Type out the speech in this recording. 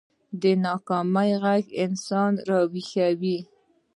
د ناکامۍ غږ انسان راويښوي